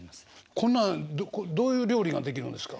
こんなんどういう料理ができるんですか？